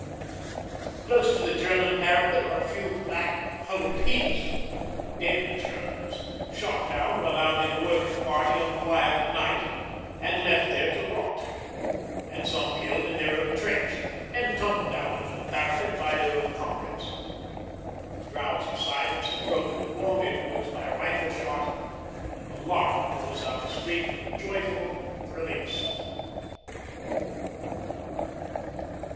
Close to the German parapet are a few black, huddled heaps dead Germans, shot down while out in a working party on the wire at night, and left there to rot, and some killed in their own trench, and tumbled out over the parapet by their own comrades. The drowsy silence is broken at long intervals by a rifle shot; a lark pours out a stream of joyful thrilling song.